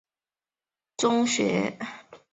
早年毕业于金文泰中学。